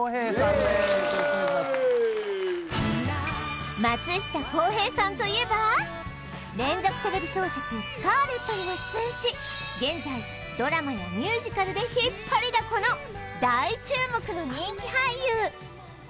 イエーイ松下洸平さんといえば連続テレビ小説「スカーレット」にも出演し現在ドラマやミュージカルで引っ張りだこの大注目の人気俳優